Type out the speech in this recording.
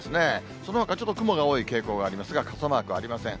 そのほか、ちょっと雲が多い傾向がありますが、傘マークありません。